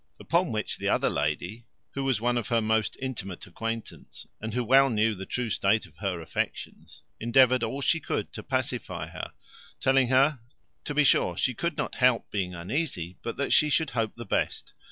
Upon which the other lady, who was one of her most intimate acquaintance, and who well knew the true state of her affections, endeavoured all she could to pacify her, telling her To be sure she could not help being uneasy; but that she should hope the best.